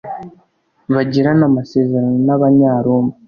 bagirane amasezerano n'abanyaroma